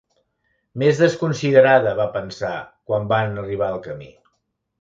Més desconsiderada, va pensar, quan van arribar al camí.